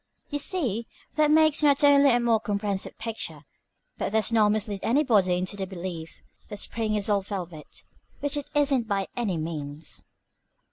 You see, that makes not only a more comprehensive picture, but does not mislead anybody into the belief the spring is all velvet, which it isn't by any means."